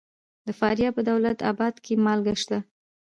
د فاریاب په دولت اباد کې مالګه شته.